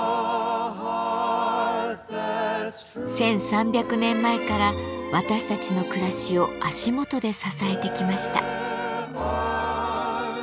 １，３００年前から私たちの暮らしを足元で支えてきました。